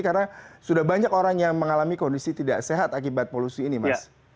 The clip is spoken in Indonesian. karena sudah banyak orang yang mengalami kondisi tidak sehat akibat polusi ini mas